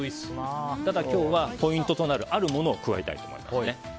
ただ、今日はポイントとなるあるものを加えたいと思います。